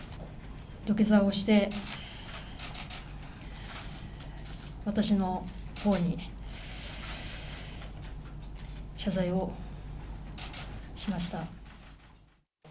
土下座をして、私のほうに謝罪をしました。